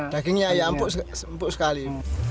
dagingnya ya empuk sekali